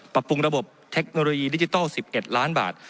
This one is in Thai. ปรับปรุงระบบเทคโนโลยีดิจิทัล๑๑ล้านบาท